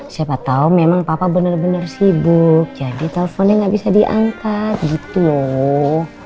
siapa tahu memang papa bener bener sibuk jadi teleponnya gak bisa diangkat gitu loh